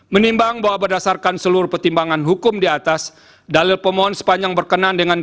menimbang bahwa berdasarkan seluruh pertimbangan hukum di atas dalil pemohon sepanjang berkenan dengan